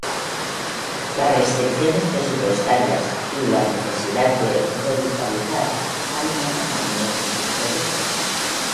Las restricciones presupuestarias y la necesidad de "revitalizar" amenazan algunos de sus proyectos.